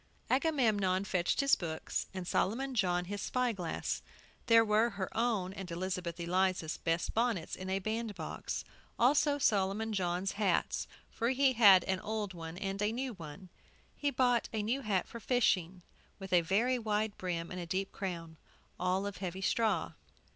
Agamemnon fetched his books, and Solomon John his spy glass. There were her own and Elizabeth Eliza's best bonnets in a bandbox; also Solomon John's hats, for he had an old one and a new one. He bought a new hat for fishing, with a very wide brim and deep crown; all of heavy straw.